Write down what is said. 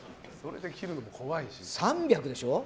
３００でしょ。